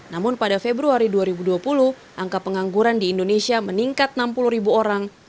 namun pada februari dua ribu dua puluh angka pengangguran di indonesia meningkat enam puluh ribu orang